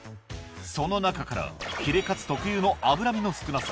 その中からヒレカツ特有の脂身の少なさ